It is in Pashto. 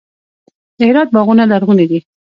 د هرات باغونه لرغوني دي.